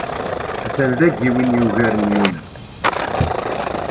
A-t-an dagi win yugaren Yuna.